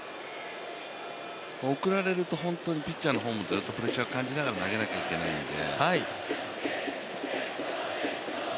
送られると本当にピッチャーもプレッシャーを感じながら投げなきゃいけないので。